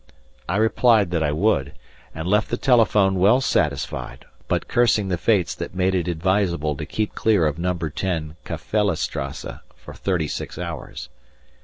I replied that I would, and left the telephone well satisfied, but cursing the fates that made it advisable to keep clear of No. 10, Kafelle Strasse for thirty six hours.